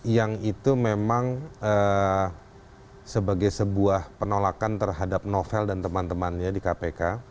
yang itu memang sebagai sebuah penolakan terhadap novel dan teman temannya di kpk